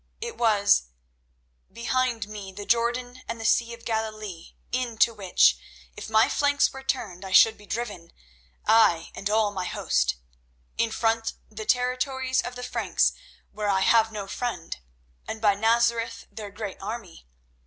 It was: "Behind me the Jordan and the Sea of Galilee, into which, if my flanks were turned, I should be driven, I and all my host. In front the territories of the Franks, where I have no friend; and by Nazareth their great army.